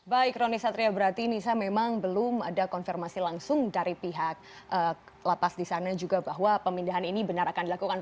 baik roni satria berarti nisa memang belum ada konfirmasi langsung dari pihak lapas di sana juga bahwa pemindahan ini benar akan dilakukan